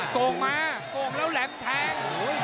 โก่งมาโก่งแล้วแหลมแทง